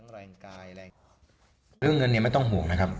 เรื่องเงินนี้ไม่ต้องห่วงนะครับ